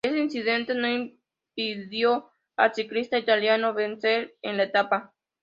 Este incidente no impidió al ciclista italiano vencer en la etapa.